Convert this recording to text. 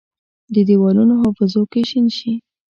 د دیوالونو حافظو کې شین شي،